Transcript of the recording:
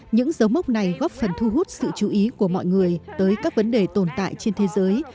những dấu mốc này góp phần thu hút sự chú ý của mọi người tới các vấn đề tồn tại trên thế giới